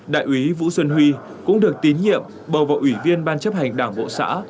đại úy vũ xuân huy cũng được tín nhiệm bầu vào ủy viên ban chấp hành đảng bộ xã